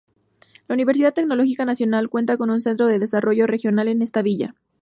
La Universidad Tecnológica Nacional cuenta con un centro de desarrollo regional en esta villa.